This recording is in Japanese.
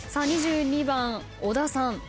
２２番小田さん。